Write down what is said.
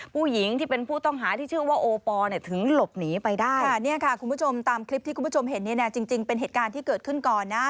ผู้หญิงที่เป็นผู้ต้องหาที่ชื่อว่าโอปอลเนี่ยถึงหลบหนีไปได้ค่ะเนี่ยค่ะคุณผู้ชมตามคลิปที่คุณผู้ชมเห็นเนี่ยนะจริงจริงเป็นเหตุการณ์ที่เกิดขึ้นก่อนนะ